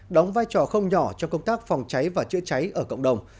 đóng vai trò không nhỏ trong công tác phòng cháy và chữa cháy ở cộng đồng